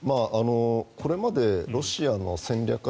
これまでロシアの戦略